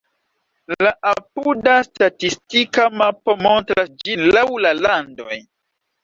La apuda statistika mapo montras ĝin laŭ la landoj.